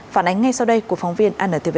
phản ánh ngay sau đây của phóng viên anntv